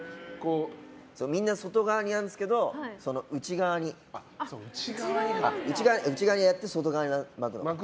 みんな外側にやるんですけど内側にやって外側に巻く。